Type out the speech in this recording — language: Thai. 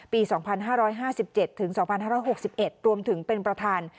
ปี๒๕๕๗ถึง๒๕๖๑รวมถึงเป็นประธาน